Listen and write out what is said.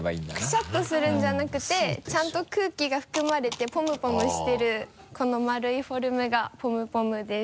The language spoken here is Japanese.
くしゃっとするんじゃなくてちゃんと空気が含まれてぽむぽむしてるこの丸いフォルムがぽむぽむです。